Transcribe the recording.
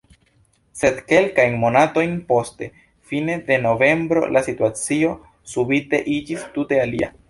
Sed kelkajn monatojn poste, fine de novembro, la situacio subite iĝis tute alia.